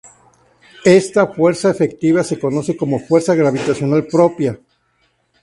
Esta fuerza efectiva se conoce como fuerza gravitacional propia.